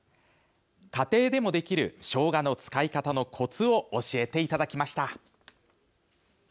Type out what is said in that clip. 家庭でもできるしょうがの使い方のこつを教えていただきました。